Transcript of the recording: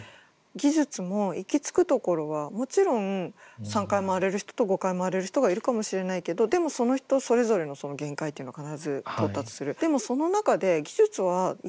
技術も行きつくところはもちろん３回回れる人と５回回れる人がいるかもしれないけどでもその人それぞれの限界っていうのは必ず到達する。